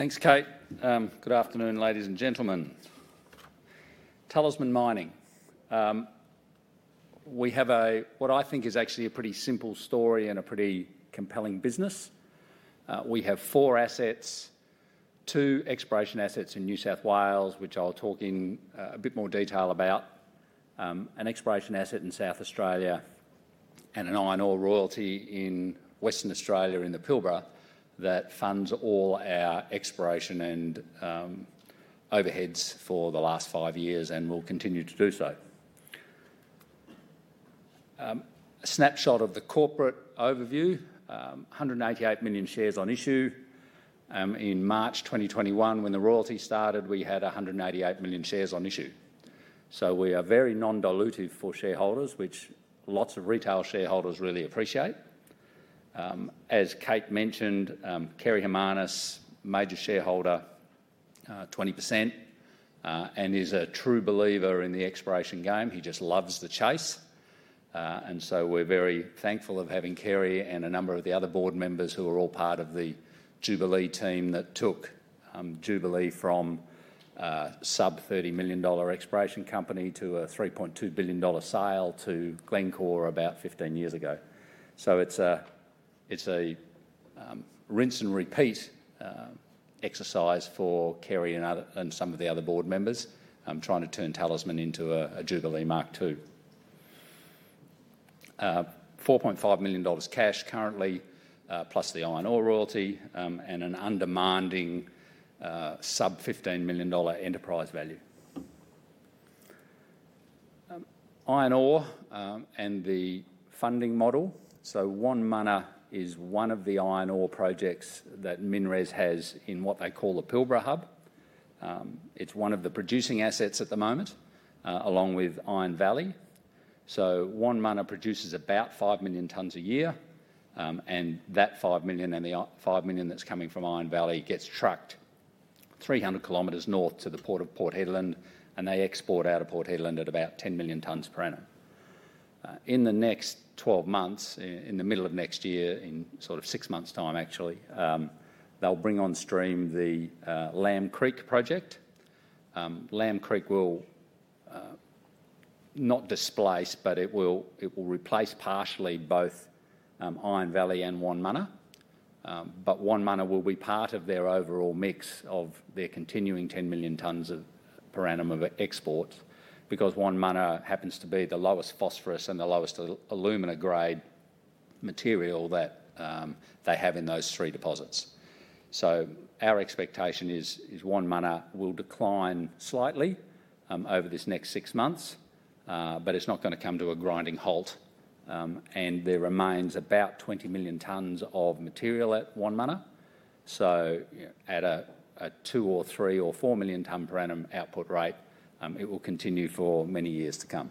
Thanks, Kate. Good afternoon, ladies and gentlemen. Talisman Mining. We have what I think is actually a pretty simple story and a pretty compelling business. We have four assets: two exploration assets in New South Wales, which I'll talk in a bit more detail about, an exploration asset in South Australia, and an iron ore royalty in Western Australia in the Pilbara that funds all our exploration and overheads for the last five years and will continue to do so. A snapshot of the corporate overview: 188 million shares on issue. In March 2021, when the royalty started, we had 188 million shares on issue. So we are very non-dilutive for shareholders, which lots of retail shareholders really appreciate. As Kate mentioned, Kerry Harmanis, major shareholder, 20%, and is a true believer in the exploration game. He just loves the chase. We're very thankful of having Kerry and a number of the other board members who are all part of the Jubilee team that took Jubilee from a sub-$30 million exploration company to a $3.2 billion sale to Glencore about 15 years ago. It's a rinse and repeat exercise for Kerry and some of the other board members trying to turn Talisman into a Jubilee Mark II. $4.5 million cash currently, plus the iron ore royalty, and an underlying sub-$15 million enterprise value. Iron ore and the funding model. Wonmunna is one of the iron ore projects that MinRes has in what they call the Pilbara hub. It's one of the producing assets at the moment, along with Iron Valley. Wonmunna produces about 5 million tonnes a year, and that 5 million and the 5 million that's coming from Iron Valley gets trucked 300 km north to the port of Port Hedland, and they export out of Port Hedland at about 10 million tonnes per annum. In the next 12 months, in the middle of next year, in sort of six months' time, actually, they'll bring on stream the Lamb Creek project. Lamb Creek will not displace, but it will replace partially both Iron Valley and Wonmunna. But Wonmunna will be part of their overall mix of their continuing 10 million tonnes per annum of exports because Wonmunna happens to be the lowest phosphorus and the lowest alumina grade material that they have in those three deposits. Our expectation is Wonmunna will decline slightly over this next six months, but it's not going to come to a grinding halt. And there remains about 20 million tonnes of material at Wonmunna. So at a two or three or four million tonnes per annum output rate, it will continue for many years to come.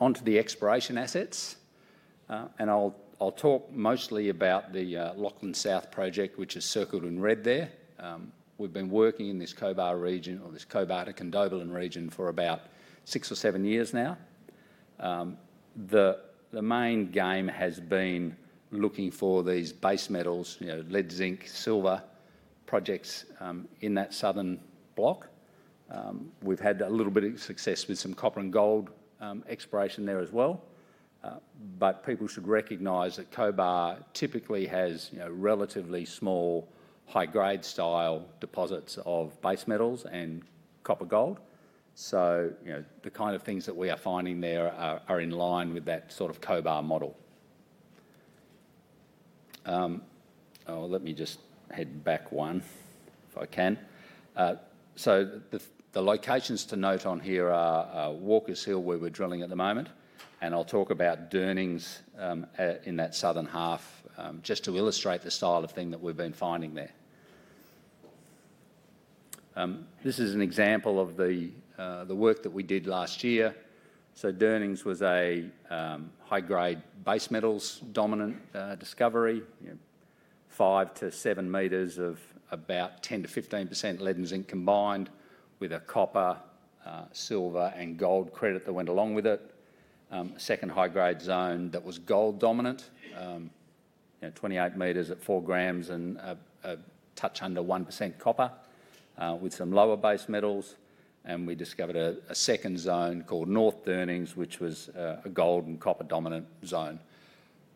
Onto the exploration assets. And I'll talk mostly about the Lachlan South project, which is circled in red there. We've been working in this Cobar region, or this Cobar to Condobolin region, for about six or seven years now. The main game has been looking for these base metals, lead, zinc, silver projects in that southern block. We've had a little bit of success with some copper and gold exploration there as well. But people should recognize that Cobar typically has relatively small, high-grade style deposits of base metals and copper gold. So the kind of things that we are finding there are in line with that sort of Cobar model. Let me just head back one if I can. So the locations to note on here are Walkers Hill, where we're drilling at the moment. And I'll talk about Durnings in that southern half just to illustrate the style of thing that we've been finding there. This is an example of the work that we did last year. So Durnings was a high-grade base metals dominant discovery, five to seven meters of about 10%-15% lead and zinc combined with a copper, silver, and gold credit that went along with it. A second high-grade zone that was gold dominant, 28 m at 4 g and a touch under 1% copper with some lower base metals. And we discovered a second zone called North Durnings, which was a gold and copper dominant zone.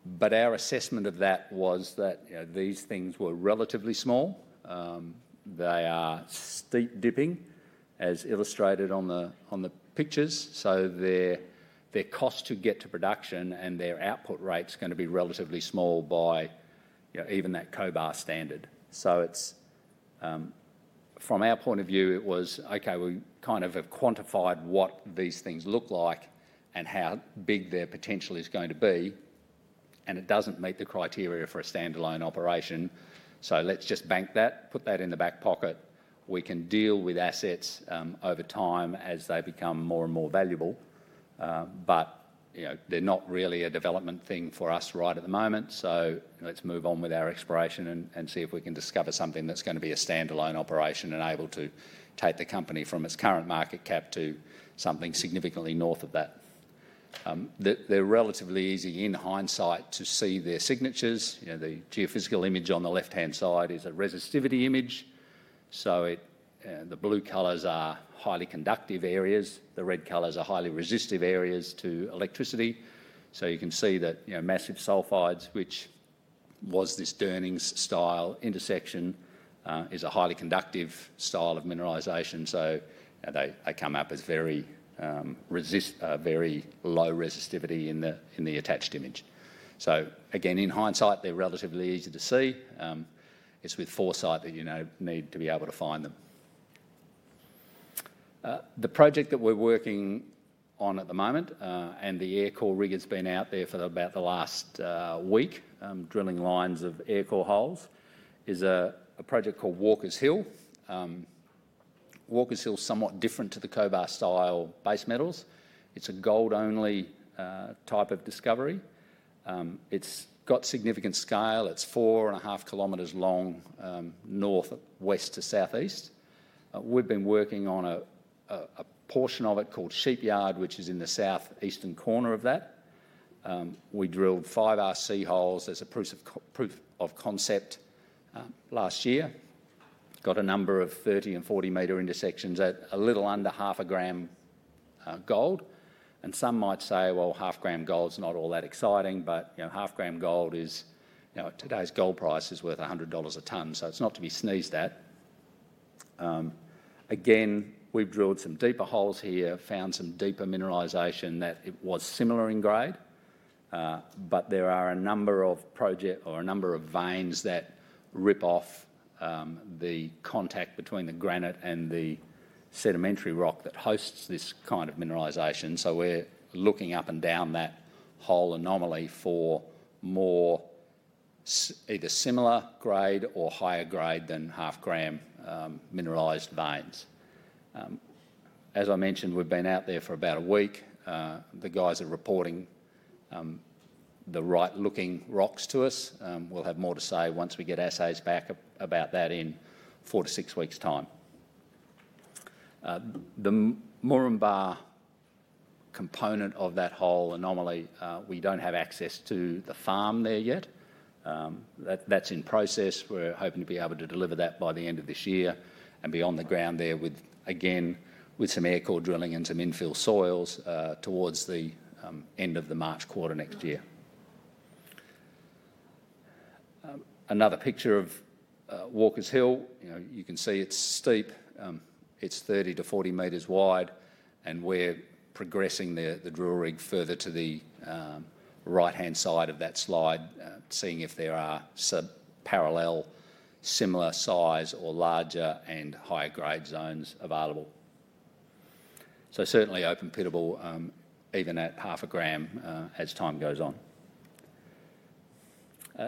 But our assessment of that was that these things were relatively small. They are steep dipping, as illustrated on the pictures. So their cost to get to production and their output rate is going to be relatively small by even that Cobar standard. So from our point of view, it was, okay, we kind of have quantified what these things look like and how big their potential is going to be. And it doesn't meet the criteria for a standalone operation. So let's just bank that, put that in the back pocket. We can deal with assets over time as they become more and more valuable. But they're not really a development thing for us right at the moment. Let's move on with our exploration and see if we can discover something that's going to be a standalone operation and able to take the company from its current market cap to something significantly north of that. They're relatively easy in hindsight to see their signatures. The geophysical image on the left-hand side is a resistivity image. The blue colors are highly conductive areas. The red colors are highly resistive areas to electricity. You can see that massive sulfides, which was this Durnings style intersection, is a highly conductive style of mineralization. They come up as very low resistivity in the attached image. Again, in hindsight, they're relatively easy to see. It's with foresight that you need to be able to find them. The project that we're working on at the moment and the aircore rig has been out there for about the last week, drilling lines of aircore holes, is a project called Walkers Hill. Walkers Hill is somewhat different to the Cobar style base metals. It's a gold-only type of discovery. It's got significant scale. It's four and a half kilometers long northwest to southeast. We've been working on a portion of it called Sheep Yard, which is in the southeastern corner of that. We drilled five RC holes as a proof of concept last year. Got a number of 30 and 40 meter intersections at a little under half a gram gold. And some might say, well, half gram gold is not all that exciting, but half gram gold at today's gold price is worth 100 dollars a tonne, so it's not to be sneezed at. Again, we've drilled some deeper holes here, found some deeper mineralization that was similar in grade. But there are a number of projects or a number of veins that rip off the contact between the granite and the sedimentary rock that hosts this kind of mineralization. So we're looking up and down that whole anomaly for more either similar grade or higher grade than half gram mineralized veins. As I mentioned, we've been out there for about a week. The guys are reporting the right looking rocks to us. We'll have more to say once we get assays back about that in four to six weeks' time. The Murrumba component of that whole anomaly, we don't have access to the farm there yet. That's in process. We're hoping to be able to deliver that by the end of this year and be on the ground there again with some aircore drilling and some infill soils towards the end of the March quarter next year. Another picture of Walkers Hill. You can see it's steep. It's 30-40 meters wide. And we're progressing the drill rig further to the right-hand side of that slide, seeing if there are parallel, similar size or larger and higher grade zones available. So certainly open pittable even at half a gram as time goes on.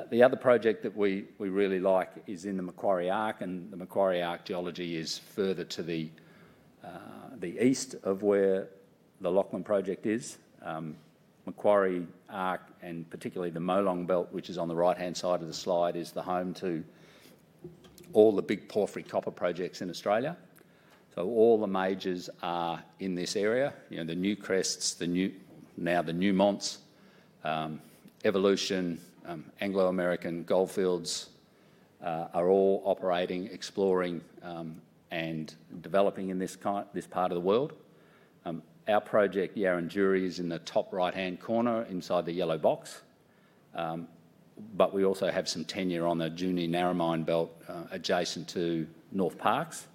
The other project that we really like is in the Macquarie Arc. And the Macquarie Arc geology is further to the east of where the Lachlan project is. Macquarie Arc, and particularly the Molong Belt, which is on the right-hand side of the slide, is the home to all the big porphyry copper projects in Australia. So all the majors are in this area. The Newcrests, now the Newmonts, Evolution, Anglo American, Gold Fields are all operating, exploring, and developing in this part of the world. Our project, Yarindury, is in the top right-hand corner inside the yellow box. But we also have some tenure on the Junee-Narromine Belt adjacent to Northparkes.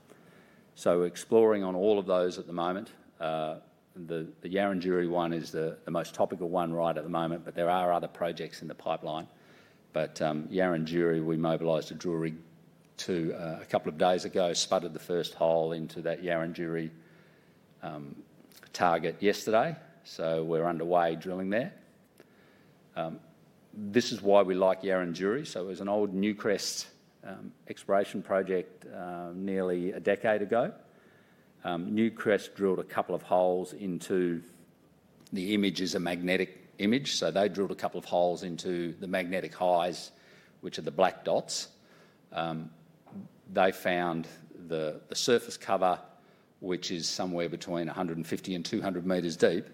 So we're exploring on all of those at the moment. The Yarindury one is the most topical one right at the moment, but there are other projects in the pipeline. But Yarindury, we mobilized a drill rig a couple of days ago, spudded the first hole into that Yarindury target yesterday. So we're underway drilling there. This is why we like Yarindury. It was an old Newcrest exploration project nearly a decade ago. Newcrest drilled a couple of holes into the image, which is a magnetic image. They drilled a couple of holes into the magnetic highs, which are the black dots. They found the surface cover, which is somewhere between 150 m and 200 m deep.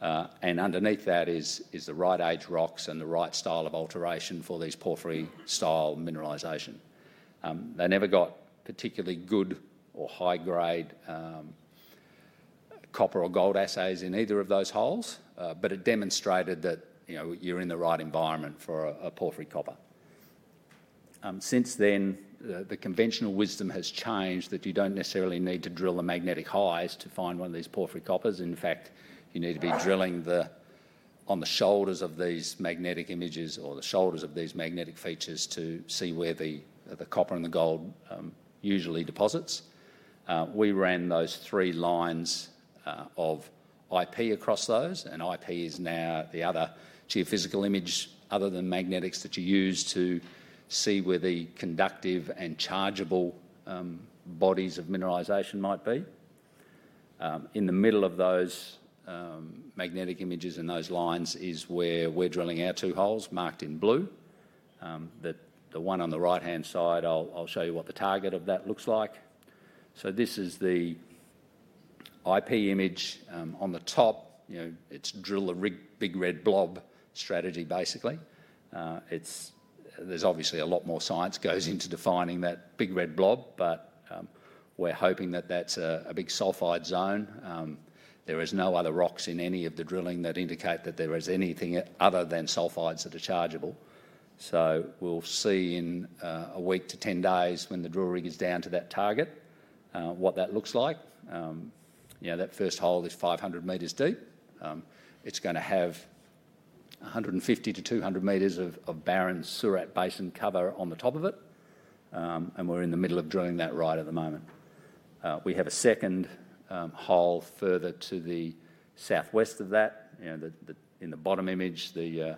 Underneath that is the right age rocks and the right style of alteration for these porphyry-style mineralization. They never got particularly good or high grade copper or gold assays in either of those holes, but it demonstrated that you're in the right environment for a porphyry copper. Since then, the conventional wisdom has changed that you don't necessarily need to drill the magnetic highs to find one of these porphyry coppers. In fact, you need to be drilling on the shoulders of these magnetic images or the shoulders of these magnetic features to see where the copper and the gold usually deposits. We ran those three lines of IP across those, and IP is now the other geophysical image other than magnetics that you use to see where the conductive and chargeable bodies of mineralization might be. In the middle of those magnetic images and those lines is where we're drilling our two holes marked in blue. The one on the right-hand side, I'll show you what the target of that looks like, so this is the IP image. On the top, it's drill the big red blob strategy, basically. There's obviously a lot more science goes into defining that big red blob, but we're hoping that that's a big sulfide zone. There are no other rocks in any of the drilling that indicate that there is anything other than sulfides that are chargeable. So we'll see in a week to 10 days when the drill rig is down to that target what that looks like. That first hole is 500 m deep. It's going to have 150 m to 200 m of Barron Surat Basin cover on the top of it. And we're in the middle of drilling that right at the moment. We have a second hole further to the southwest of that. In the bottom image, the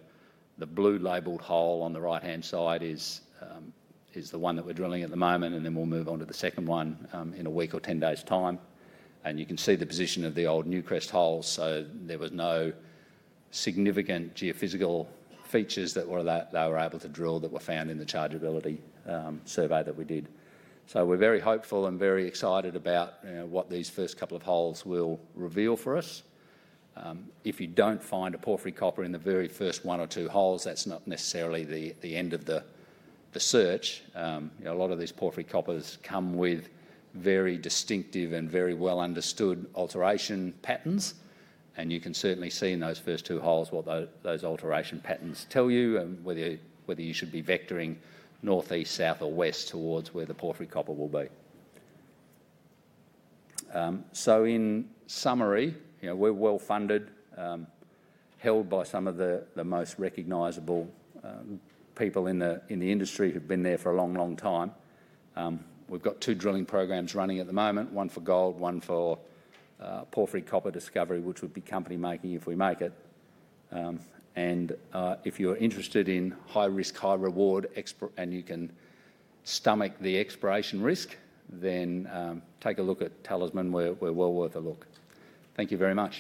blue labeled hole on the right-hand side is the one that we're drilling at the moment. And then we'll move on to the second one in a week or 10 days' time. And you can see the position of the old Newcrest holes. There were no significant geophysical features that they were able to drill that were found in the chargeability survey that we did, so we're very hopeful and very excited about what these first couple of holes will reveal for us. If you don't find a porphyry copper in the very first one or two holes, that's not necessarily the end of the search. A lot of these porphyry coppers come with very distinctive and very well understood alteration patterns, and you can certainly see in those first two holes what those alteration patterns tell you and whether you should be vectoring northeast, south, or west towards where the porphyry copper will be. In summary, we're well funded, held by some of the most recognizable people in the industry who've been there for a long, long time. We've got two drilling programs running at the moment, one for gold, one for porphyry copper discovery, which would be company-making if we make it, and if you're interested in high risk, high reward, and you can stomach the exploration risk, then take a look at Talisman. We're well worth a look. Thank you very much.